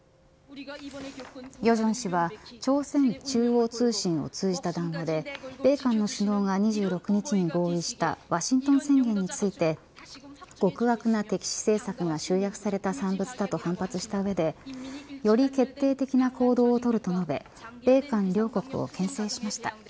与正氏は朝鮮中央通信を通じた談話で米韓の首脳が２６日に合意したワシントン宣言について極悪な敵視政策が集約された産物だと反発した上でより決定的な行動を取ると述べ米韓両国をけん制しました。